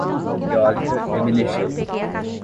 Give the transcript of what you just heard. Eólica Hermenegildo